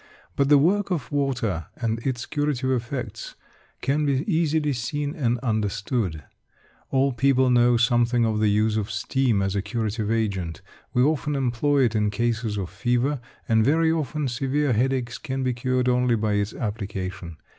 But the work of water and its curative effects can be easily seen and understood. All people know something of the use of steam as a curative agent. We often employ it in cases of fever, and very often severe headaches can be cured only by its application.